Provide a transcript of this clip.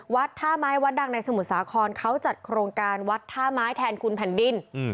วัดท่าไม้วัดดังในสมุทรสาครเขาจัดโครงการวัดท่าไม้แทนคุณแผ่นดิน